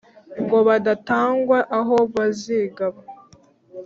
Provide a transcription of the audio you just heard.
ngo badatangwa aho bazigaba